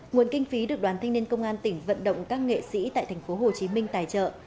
nguồn kinh phí được đoàn thanh niên công an tỉnh vận động các nghệ sĩ tại thành phố hồ chí minh tài trợ